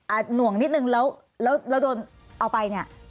อ่ะหน่วงนิดนึงแล้วโดนเอาไปเนี่ย